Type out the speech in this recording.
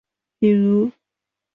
比如